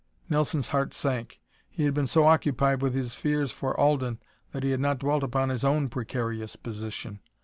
Nelson's heart sank. He had been so occupied with his fears for Alden that he had not dwelt upon his own precarious position.